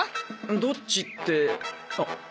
どっちってあっ。